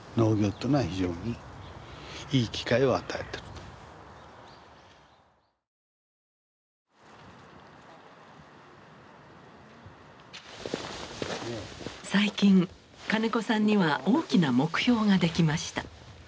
だからその最近金子さんには大きな目標が出来ました。